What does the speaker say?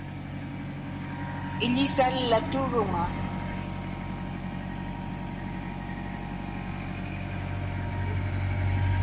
Iḷisallaturuŋa.